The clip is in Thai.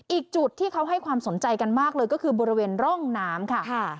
อีกจุดที่เขาให้ความสนใจกันมากเลยก็คือบริเวณร่องน้ำค่ะ